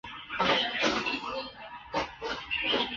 曾经效力美国职棒大联盟日本职棒等多支球队。